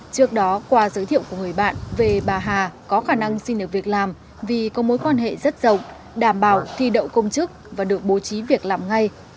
trước đó qua giới thiệu của người bạn về bà hà có khả năng xin được việc làm vì có mối quan hệ rất rộng đảm bảo thi đậu công chức và được bố trí việc làm ngay